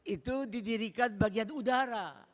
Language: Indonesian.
itu didirikan bagian udara